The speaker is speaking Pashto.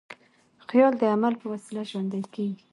خیال د عمل په وسیله ژوندی کېږي.